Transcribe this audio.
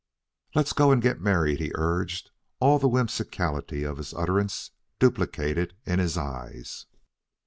"Let's go and get married," he urged, all the whimsicality of his utterance duplicated in his eyes.